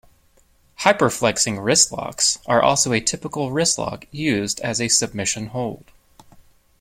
Hyperflexing wristlocks are also a typical wristlock used as a submission hold.